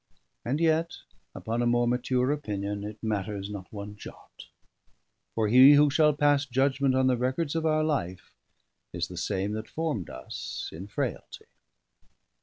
And yet, upon a more mature opinion, it matters not one jot; for He who shall pass judgment on the records of our life is the same that formed us in frailty.